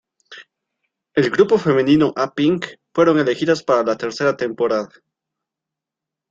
El grupo femenino A Pink fueron elegidas para la tercera temporada.